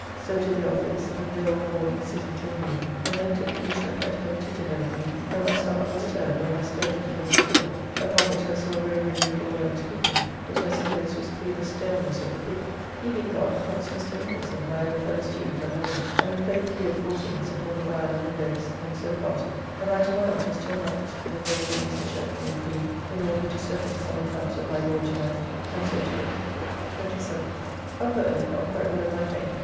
So to the office, and there all the morning sitting till noon, and then took Commissioner Pett home to dinner with me, where my stomach was turned when my sturgeon came to table, upon which I saw very many little worms creeping, which I suppose was through the staleness of the pickle. He being gone, comes Mr. Nicholson, my old fellow student at Magdalene, and we played three or four things upon the violin and basse, and so parted, and I to my office till night, and there came Mr. Shepley and Creed in order to settling some accounts of my Lord to night, and so to bed. 27th. Up early, not quite rid of my pain.